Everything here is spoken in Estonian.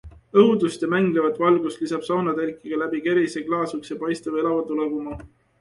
Õdusust ja mänglevat valgust lisab saunatelki ka läbi kerise klaasukse paistev elava tule kuma.